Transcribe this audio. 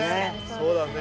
そうだね。